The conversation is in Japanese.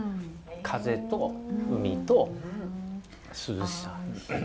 風と海と涼しさ。